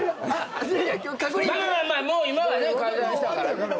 まあまあもう今はね解散したから。